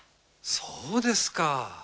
そうですか。